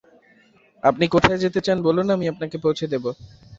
আপনি কোথায় যেতে চান বলুন, আমি আপনাকে পৌঁছে দেব।